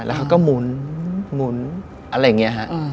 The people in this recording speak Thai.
แล้วเขาก็หมุนอะไรอย่างนี้ฮะ